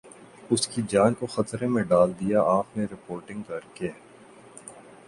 اسکی جان کو خطرے میں ڈال دیا آپ نے رپورٹنگ کر کے